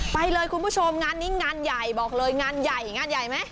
ไปเลยคุณผู้ชมงานนี้งานใหญ่บอกเลยงานใหญ่งานใหญ่ไหม